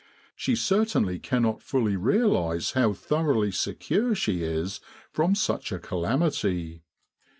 She certainly cannot fully realize how thoroughly secure she is from such a calamity.